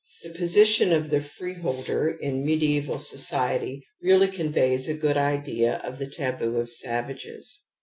The position of the ' free holder ' in mediaeval society really conveys a good idea of the * taboo ' of savages ^^.